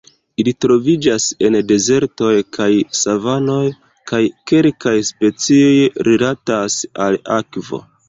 Ili troviĝas en dezertoj kaj savanoj kaj kelkaj specioj rilatas al akvo.